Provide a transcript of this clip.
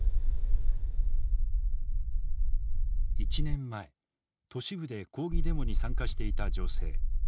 １年前都市部で抗議デモに参加していた女性。